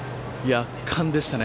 圧巻でしたね